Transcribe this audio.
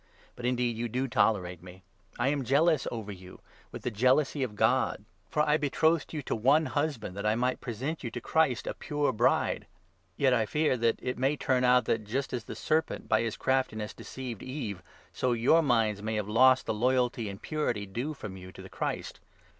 But indeed you do tolerate me. I am 2 Apostle. jealous over you with the jealousy of God. For I betrothed you to one husband, that I might present you to the 344 II. CORINTHIANS, 11. Christ a pure bride. Yet I fear that it may turn out that, just as 3 the Serpent by his craftiness deceived Eve, so your minds may have lost the loyalty and purity due from you to the Christ.